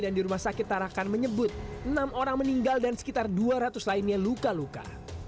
dan di rumah sakit tarakan menyebut enam orang meninggal dan sekitar dua ratus lainnya luka luka